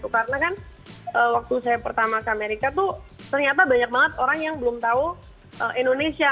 karena kan waktu saya pertama ke amerika tuh ternyata banyak banget orang yang belum tahu indonesia